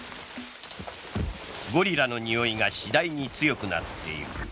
ゴリラのにおいが次第に強くなっていく。